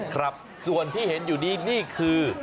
ครับส่วนที่เห็นอยู่นี้นี่คือ